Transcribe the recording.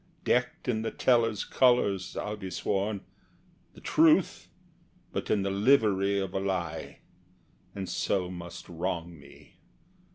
Decked in the teller's colors, I'll be sworn; The truth, but in the livery of a lie, And so must wrong me.